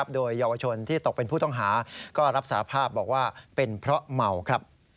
โดยเยาวชนที่ตกเป็นผู้ต้องหาก็รับสาภาพเป็นเพราะเหมา